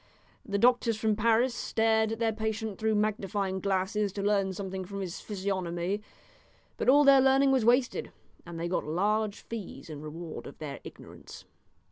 The doctors from Paris stared at their patient through magnifying glasses to learn something from his physiognomy. But all their learning was wasted, and they got large fees in reward of their ignorance."